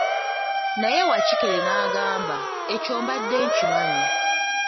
Naye Wakikere n'agamba, ekyo mbadde nkimanyi.